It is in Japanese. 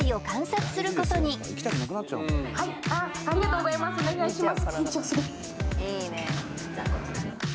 ありがとうございますお願いします